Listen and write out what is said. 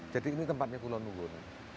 jadi ini tempatnya kulonungun